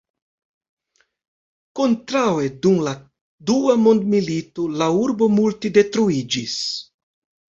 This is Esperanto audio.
Kontraŭe dum la dua mondmilito la urbo multe detruiĝis.